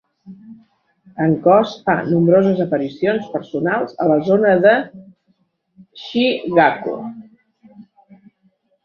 En Koz fa nombroses aparicions personals a la zona de Chigaco.